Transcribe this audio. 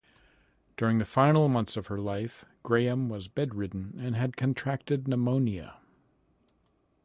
During the final months of her life, Graham was bedridden and had contracted pneumonia.